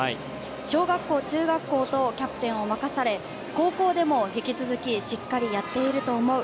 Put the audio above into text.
小学校、中学校とキャプテンを任され高校でも引き続きしっかりやっていると思う。